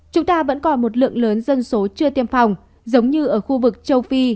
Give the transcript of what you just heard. chúng ta vẫn còn một lượng lớn dân số chưa tiêm phòng giống như ở khu vực châu phi